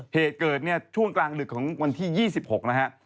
เหตุเกิดเนี่ยช่วงกลางดึกของวันที่๒๖นะฮะ